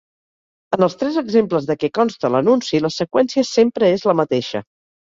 En els tres exemples de què consta l'anunci la seqüència sempre és la mateixa.